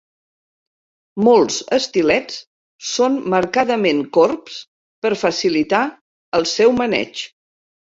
Molts estilets són marcadament corbs per facilitar el seu maneig.